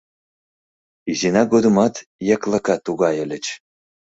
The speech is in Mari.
— Изина годымат яклака тугай ыльыч.